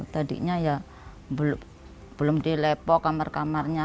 tadinya ya belum dilepok kamar kamarnya